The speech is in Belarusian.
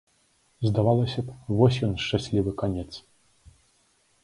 Здавалася б, вось ён шчаслівы канец.